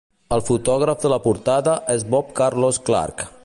El fotògraf de la portada és Bob Carlos Clarke.